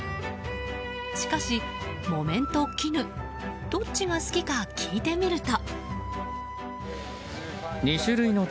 しかし、木綿と絹どっちが好きか聞いてみると。